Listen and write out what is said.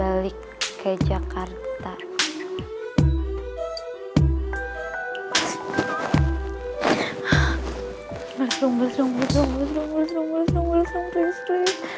ini aku keluar dulu deh